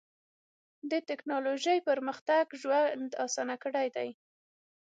د ټکنالوجۍ پرمختګ ژوند اسان کړی دی.